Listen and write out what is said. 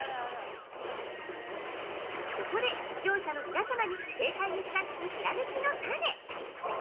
◆ここで、視聴者の皆様に正解に近づく、ひらめきのタネ。